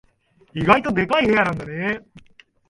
意外とでかい部屋なんだね。